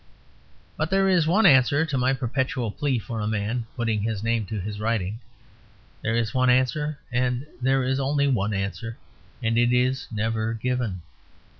But there is one answer to my perpetual plea for a man putting his name to his writing. There is one answer, and there is only one answer, and it is never given.